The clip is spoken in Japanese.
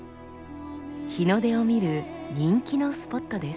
日の出を見る人気のスポットです。